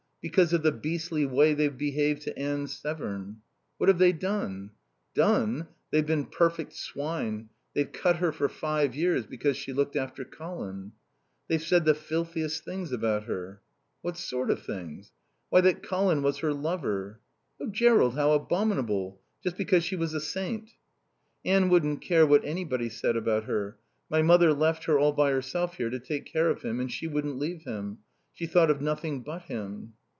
"Because of the beastly way they've behaved to Anne Severn." "What have they done?" "Done? They've been perfect swine. They've cut her for five years because she looked after Colin. They've said the filthiest things about her." "What sort of things?" "Why, that Colin was her lover." "Oh Jerrold, how abominable. Just because she was a saint." "Anne wouldn't care what anybody said about her. My mother left her all by herself here to take care of him and she wouldn't leave him. She thought of nothing but him."